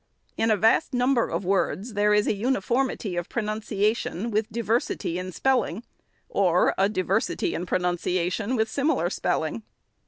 In a vast number of words, there is SECOND ANNUAL REPORT. 519 a uniformity of pronunciation with diversity in spelling, or a diversity in pronunciation with similar spelling.